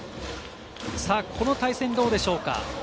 この対戦はどうでしょうか。